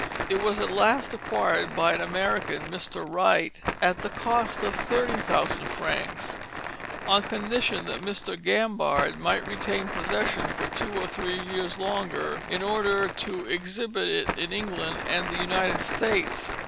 It was at last acquired by an American, Mr. Wright, at the cost of 30,000 francs, on condition that Mr. Gambard might retain possession for two or three years longer, in order to exhibit it in England and the United States.